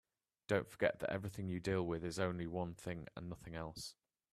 Don't forget that everything you deal with is only one thing and nothing else.